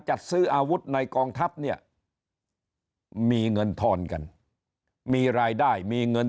จัดซื้ออาวุธในกองทัพเนี่ยมีเงินทอนกันมีรายได้มีเงิน